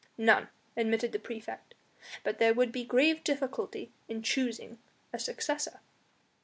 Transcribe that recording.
"None," admitted the praefect; "but there would be grave difficulty in choosing a successor."